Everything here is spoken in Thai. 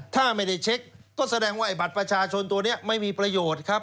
ถ้าไม่ได้เช็คก็แสดงว่าไอบัตรประชาชนตัวนี้ไม่มีประโยชน์ครับ